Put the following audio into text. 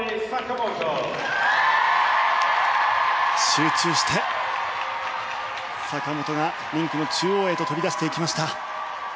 集中して坂本がリンクの中央へと飛び出していきました。